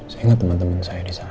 saya ingat teman teman saya di sana